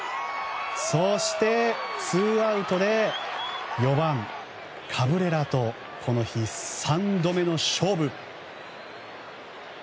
そして、ツーアウトで４番カブレラとこの日、３度目の勝負。